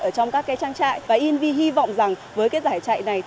ở trong các trang trại và invi hy vọng rằng với giải chạy này